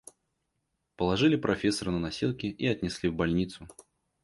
Положили профессора на носилки и отнесли в больницу.